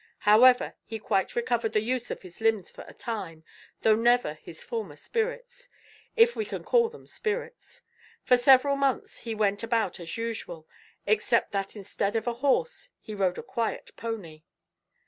However, he quite recovered the use of his limbs for a time, though never his former spirits if we can call them spirits. For several months he went about as usual, except that instead of a horse he rode a quiet pony.